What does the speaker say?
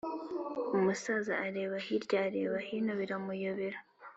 umusaza areba hirya areba hino biramuyobera